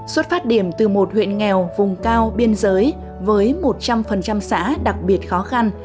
xuất phát điểm từ một huyện nghèo vùng cao biên giới với một trăm linh xã đặc biệt khó khăn